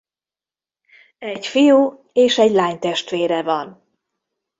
Egy fiú- és egy lánytestvére van.